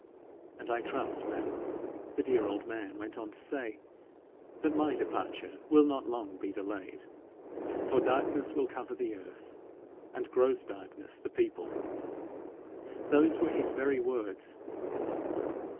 "And I trust, madam," the dear old man went on to say, "that my departure will not long be delayed, for darkness will cover the earth, and gross darkness the people." Those were his very words.'